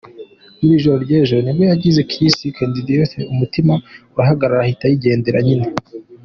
Mu ijoro ry’ejo nibwo yagize crise caridiac, umutima urahagarara ahita yigendera nyine.